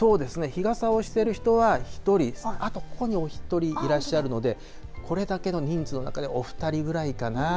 日傘をしている人は１人、あと、ここにお１人いらっしゃるので、これだけの人数の中でお２人ぐらいかな。